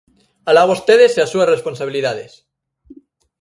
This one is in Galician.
¡Alá vostedes e as súas responsabilidades!